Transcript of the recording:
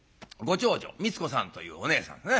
長女美津子さんというおねえさんですね。